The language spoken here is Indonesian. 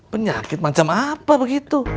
penyakit macam apa begitu